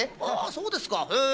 そうですかへえ。